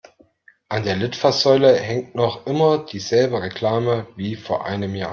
An der Litfaßsäule hängt noch immer dieselbe Reklame wie vor einem Jahr.